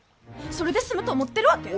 それで済むと思ってるわけ？